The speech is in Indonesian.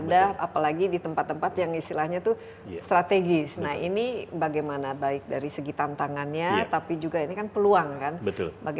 di dalamnya adalah kita merencanakan melakukan penataan tentunya kawasan sentral primer tanah abang